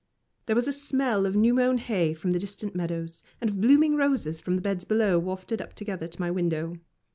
There was a smell of new mown hay from the distant meadows, and of blooming roses from the beds below, wafted up together to my window.